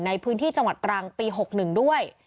ในพื้นที่จังหวัดตรังปี๖๑ด้วย